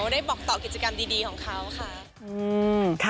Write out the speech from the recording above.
ได้บอกต่อกิจกรรมดีของเขาค่ะ